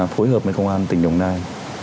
phối hợp với công an tỉnh đồng nai